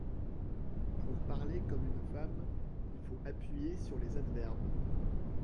Pour parler comme une femme, il faut appuyer sur les adverbes.